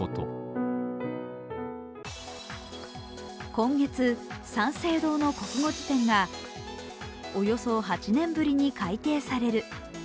今月、三省堂の国語辞典がおよそ８年ぶりに改訂される。